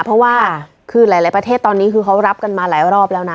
เพราะว่าคือหลายประเทศตอนนี้คือเขารับกันมาหลายรอบแล้วนะ